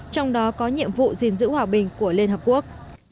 trong đó có nhiệm vụ gìn giữ hòa bình của liên hợp quốc